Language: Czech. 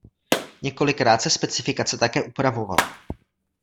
Několikrát se specifikace také upravovala.